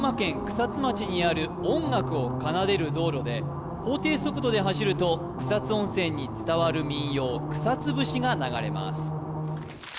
草津町にある音楽を奏でる道路で法定速度で走ると草津温泉に伝わる民謡草津節が流れます